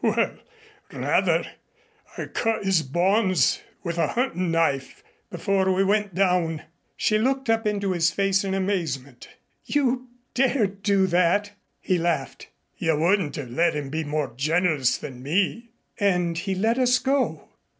"Well, rather! I cut his bonds with a huntin' knife before we went down." She looked up into his face in amazement. "You dared do that?" He laughed. "You wouldn't have let him be more generous than me." "And he let us go?"